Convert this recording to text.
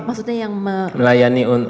maksudnya yang melayani